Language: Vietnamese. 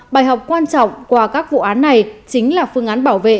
bài học quan trọng qua các vụ án này chính là phương án bảo vệ